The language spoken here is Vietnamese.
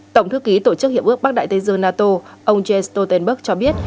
tổng thư ký tổ chức hiệp ước bắc đại tây dương nato ông james stoltenberg cho biết